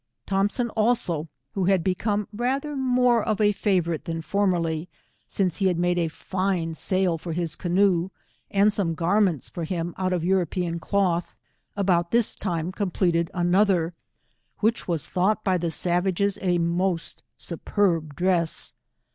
Thompson, also, who had become rather more of a favourite than formerly since he had made a fine sail for his canoe, and some garments for him out ^ gj Ituropean cloth, auotil this time compieteu au.> 110 olher, which was thought by the savages a most superb dress.